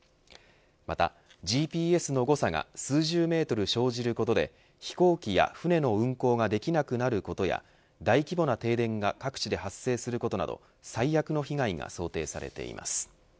またＧＰＳの誤差が数十メートル生じることで飛行機や船の運航ができなくなることや大規模な停電が各地で発生することなど最悪の被害が想定されています。